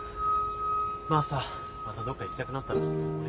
まあさまたどっか行きたくなったら。